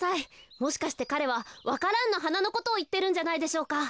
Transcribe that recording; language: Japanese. もしかしてかれはわか蘭のはなのことをいってるんじゃないでしょうか。